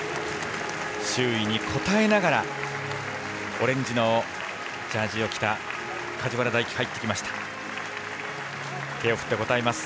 周囲に応えながらオレンジのジャージを着た梶原大暉、入ってきました。